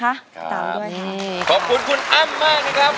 ขอบคุณคุณอ้ำมากนะครับคุณอ้ำคุณอ้ำจากร้อเอ็ดนะครับ